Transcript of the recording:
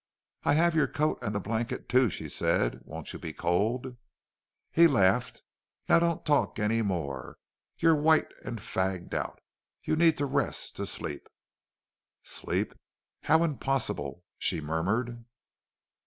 "I have your coat and the blanket, too," she said. "Won't you be cold?" He laughed. "Now don't talk any more. You're white and fagged out. You need to rest to sleep." "Sleep? How impossible!" she murmured.